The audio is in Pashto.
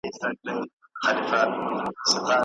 وروسته علمي